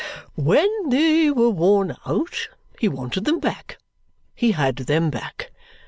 When they were worn out, he wanted them back. He had them back.